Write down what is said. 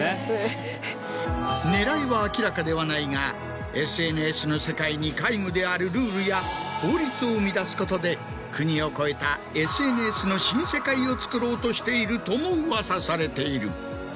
狙いは明らかではないがＳＮＳの世界に皆無であるルールや法律を生み出すことで国を超えたＳＮＳの新世界をつくろうとしているともうわさされている。